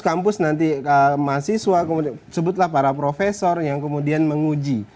kampus nanti mahasiswa kemudian sebutlah para profesor yang kemudian menguji